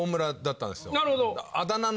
なるほど！